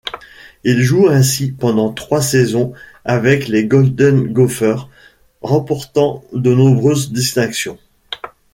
Il joue ainsi pendant trois saisons avec les Golden Gophers, remportant de nombreuses distinctions.